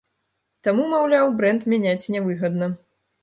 Таму, маўляў, брэнд мяняць нявыгадна.